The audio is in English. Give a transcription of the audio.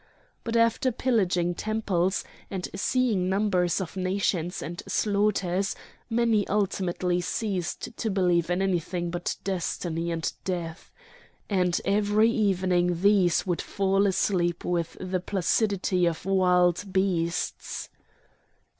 But after pillaging temples, and seeing numbers of nations and slaughters, many ultimately ceased to believe in anything but destiny and death;—and every evening these would fall asleep with the placidity of wild beasts.